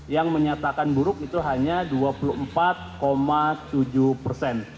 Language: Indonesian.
yang menyatakan buruk itu hanya dua puluh empat tujuh persen